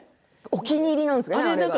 お気に入りなんですね。